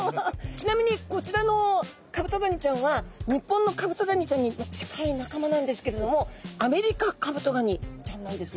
ちなみにこちらのカブトガニちゃんは日本のカブトガニちゃんに近い仲間なんですけれどもアメリカカブトガニちゃんなんですね。